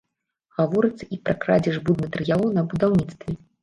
Гаворыцца і пра крадзеж будматэрыялаў на будаўніцтве.